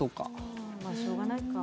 まあしょうがないか。